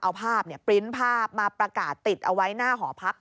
เอาภาพปริ้นต์ภาพมาประกาศติดเอาไว้หน้าหอพัก